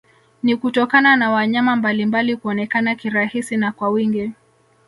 Ni kutokana na wanyama mbalimbali kuonekana kirahisi na kwa wingi